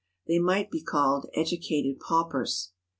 They might be called educated paupers.